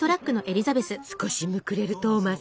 少しむくれるトーマス。